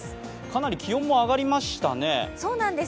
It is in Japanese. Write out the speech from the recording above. かなり気温も上がりましたね。